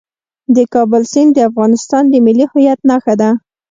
د کابل سیند د افغانستان د ملي هویت نښه ده.